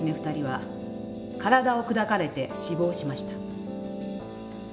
２人は体を砕かれて死亡しました。